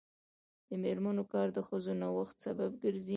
د میرمنو کار د ښځو نوښت سبب ګرځي.